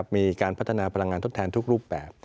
มีการพัฒนาพลังงานทดแทนทุกรูปแบบ